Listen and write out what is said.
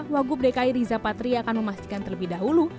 wagub dki rizapatri akan memastikan terlebih dahulu